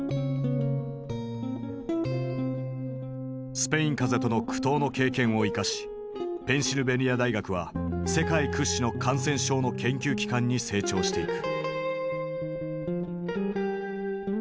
スペイン風邪との苦闘の経験を生かしペンシルベニア大学は世界屈指の感染症の研究機関に成長していく。